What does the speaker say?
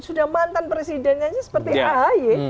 sudah mantan presidennya aja seperti ahy